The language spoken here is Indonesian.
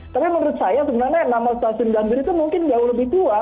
tapi menurut saya sebenarnya nama stasiun gambir itu mungkin jauh lebih tua